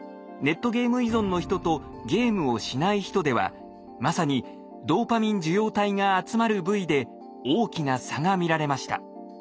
ネットゲーム依存の人とゲームをしない人ではまさにドーパミン受容体が集まる部位で大きな差が見られました。